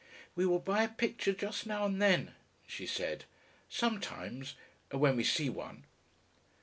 "We will buy a picture just now and then," she said, "sometimes when we see one."